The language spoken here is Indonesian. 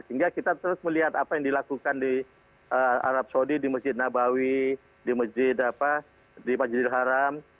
sehingga kita terus melihat apa yang dilakukan di arab saudi di masjid nabawi di masjid di majidil haram